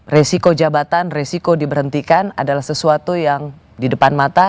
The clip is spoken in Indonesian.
resiko jabatan resiko diberhentikan adalah sesuatu yang di depan mata